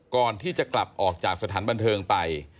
ก่อนที่จะกลับออกจากสถานบันเทิงไป